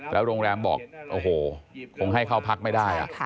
โรงแรมบอกโอ้โหคงให้เข้าพักไม่ได้